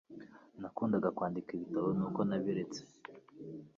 Nakundaga kwandika ibitabo nuko nabiretse